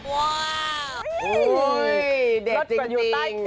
โอ๊ยเด็กจริงโอ้โฮเด็กจริง